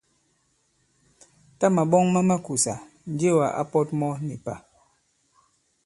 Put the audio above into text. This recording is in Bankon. Tâ màɓɔŋ ma makùsà, Njewà ǎ pɔ̄t mɔ nì pà.